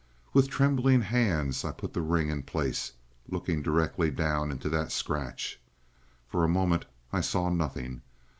With trembling hands I put the ring in place, looking directly down into that scratch. For a moment I saw nothing.